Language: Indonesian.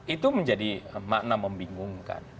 itu menjadi makna membingungkan